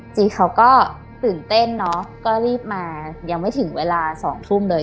จีเขาก็ตื่นเต้นเนอะก็รีบมายังไม่ถึงเวลา๒ทุ่มเลย